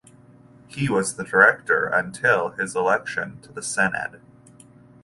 He was the director until his election to the Senedd.